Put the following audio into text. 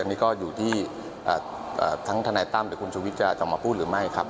อันนี้ก็อยู่ที่ทั้งทนายตั้มหรือคุณชูวิทย์จะออกมาพูดหรือไม่ครับ